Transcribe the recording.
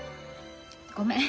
ごめん。